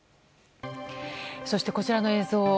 そして、こちらの映像。